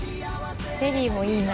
フェリーもいいな。